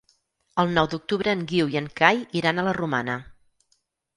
El nou d'octubre en Guiu i en Cai iran a la Romana.